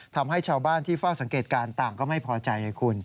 ทำให้ชาวบ้านที่เฝ้าสังเกตการณ์ต่างก็ไม่พอใจไงคุณ